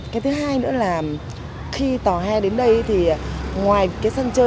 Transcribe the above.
cái thứ hai nữa là khi tòa hè đến đây thì ngoài cái sân chơi